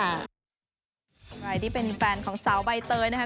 ใครที่เป็นแฟนของสาวใบเตยนะคะ